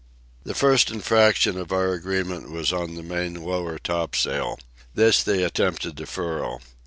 The first infraction of our agreement was on the main lower topsail. This they attempted to furl.